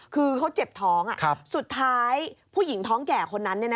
คือเขาเจ็บท้องสุดท้ายผู้หญิงท้องแก่คนนั้น